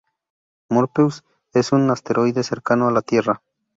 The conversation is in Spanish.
Morpheus es un asteroide cercano a la Tierra.